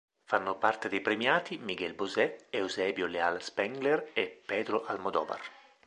Fanno parte dei premiati Miguel Bosé, Eusebio Leal Spengler e Pedro Almodóvar.